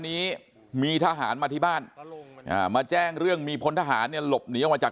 นี้มีทหารมาที่บ้านมาแจ้งเรื่องมีพลทหารเนี่ยหลบหนีออกมาจาก